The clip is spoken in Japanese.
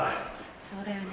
そうだよね